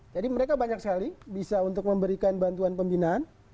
jadi mereka banyak sekali bisa untuk memberikan bantuan pembinaan